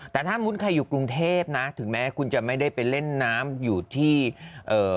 แต่ถ้ามุติใครอยู่กรุงเทพนะถึงแม้คุณจะไม่ได้ไปเล่นน้ำอยู่ที่เอ่อ